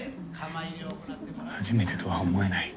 初めてとは思えない。